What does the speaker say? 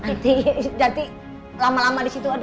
nanti lama lama disitu